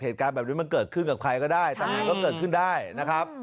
เหตุการณ์แบบนี้มันเกิดขึ้นกับใครก็ได้ทหารก็เกิดขึ้นได้นะครับ